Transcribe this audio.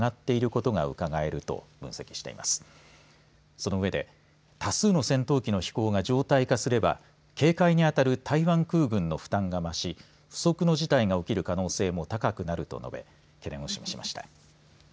その上で多数の戦闘機の飛行が常態化すれば警戒にあたる台湾空軍の負担が増し不測の事態が起きる可能性も高くなると述べ懸念を示しました。